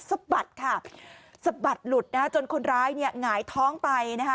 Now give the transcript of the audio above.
สะบัดค่ะสะบัดหลุดจนคนร้ายหงายท้องไป